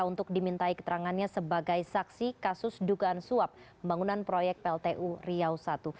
untuk dimintai keterangannya sebagai saksi kasus dugaan suap pembangunan proyek pltu riau i